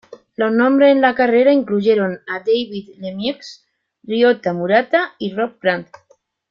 Los nombres en la carrera incluyeron a David Lemieux, Ryota Murata y Rob Brant.